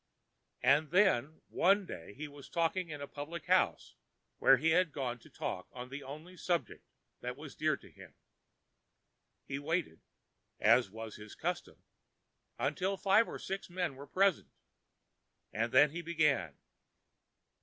And then one day he was talking in a public house where he had gone to talk on the only subject that was dear to him. He waited, as was his custom, until five or six men were present, and then he began.